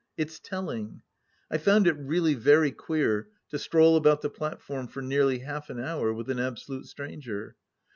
It's telling. I found it really very queer, to stroll about the platform for nearly half an hour with an absolute stranger.